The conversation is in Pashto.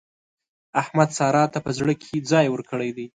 احمد سارا ته په زړه کې ځای ورکړی دی.